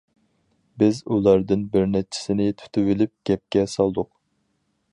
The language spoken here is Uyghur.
بىز ئۇلاردىن بىر نەچچىسىنى تۇتۇۋېلىپ گەپكە سالدۇق.